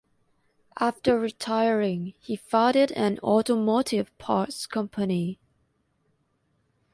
After retiring, he founded an automotive parts company.